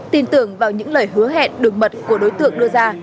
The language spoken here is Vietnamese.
tin tưởng vào những lời hứa hẹn đường mật của đối tượng đưa ra